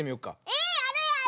えやるやる！